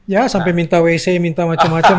ya sampai minta wc minta macam macam